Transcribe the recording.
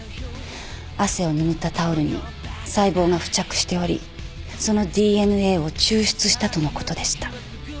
汗をぬぐったタオルに細胞が付着しておりそのＤＮＡを抽出したとのことでした。